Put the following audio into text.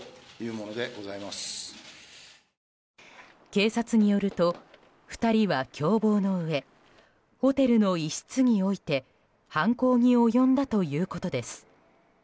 警察によると２人は共謀のうえホテルの一室において犯行に及んだということです。